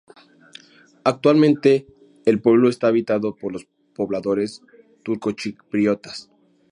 Actualmente el pueblo está habitado por pobladores turcochipriotas.